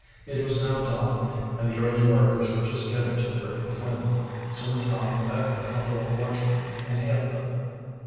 It was now dawn, and the early workers were just getting to their employment. Soon Tom met a couple of watchmen and hailed them.